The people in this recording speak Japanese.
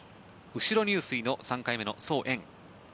後ろ入水の３回目のソウ・エン。